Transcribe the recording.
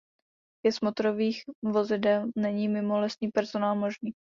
Vjezd motorovým vozidlem není mimo lesní personál možný.